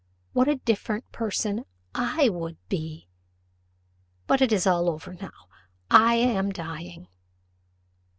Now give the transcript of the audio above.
What a different person I would be! But it is all over now I am dying."